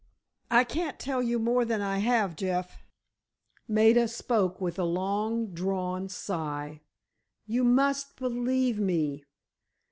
"I can't tell you more than I have, Jeff," Maida spoke with a long drawn sigh. "You must believe me.